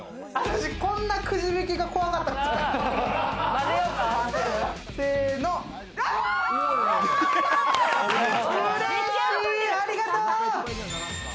私、こんなにくじ引きが怖かったことはない。